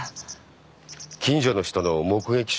近所の人の目撃証言。